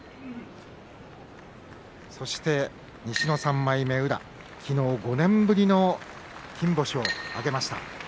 そして西の３枚目、宇良昨日５年ぶりの金星を挙げました。